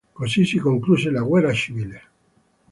Così si concluse la guerra civile.